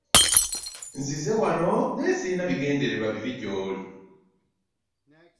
Nzize wawo naye sirina bigendererwa bibi gyoli.